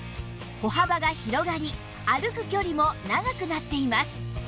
歩幅が広がり歩く距離も長くなっています